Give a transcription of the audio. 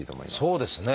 そうですね。